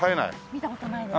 見た事ないです。